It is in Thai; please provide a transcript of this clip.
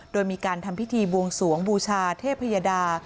โดยมีการทำพิธีบวงสวงบูชาเทพยดา